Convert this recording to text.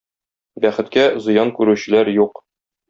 Бәхеткә, зыян күрүчеләр юк.